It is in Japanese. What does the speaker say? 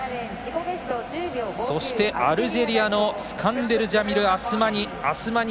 そして、アルジェリアのスカンデルジャミル・アスマニ。